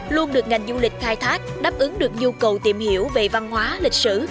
luôn được ngành du lịch khai thác đáp ứng được nhu cầu tìm hiểu về văn hóa lịch sử